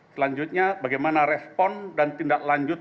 selanjutnya bagaimana respon dan tindak lanjut